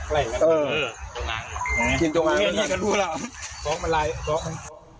มันกินจงงางด้วยกัน